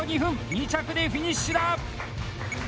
２着でフィニッシュだ！